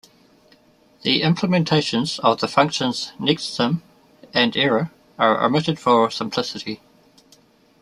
The implementations of the functions "nextsym" and "error" are omitted for simplicity.